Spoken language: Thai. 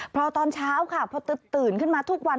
พอตอนเช้าค่ะพอตื่นขึ้นมาทุกวัน